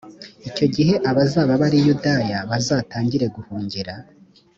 icyo gihe abazaba bari i yudaya bazatangire guhungira